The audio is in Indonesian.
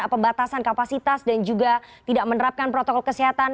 pembatasan kapasitas dan juga tidak menerapkan protokol kesehatan